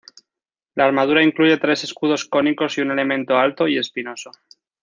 La armadura incluye tres escudos cónicos y un elemento alto y espinoso.